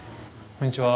こんにちは。